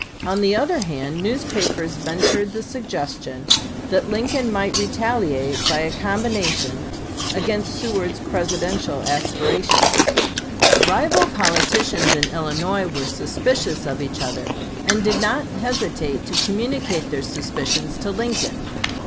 On the other hand, newspapers ventured the suggestion that Lincoln might retaliate by a combination against Seward's Presidential aspirations. Wentworth to Lincoln, April 19, 1858. MS. Rival politicians in Illinois were suspicious of each other, and did not hesitate to communicate their suspicions to Lincoln.